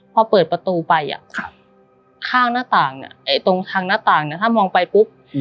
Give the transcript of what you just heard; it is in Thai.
พอเปิดประตูไปอ่ะข้างหน้าต่างเนี่ยตรงทางหน้าต่างเนี่ยถ้ามองไปปุ๊บ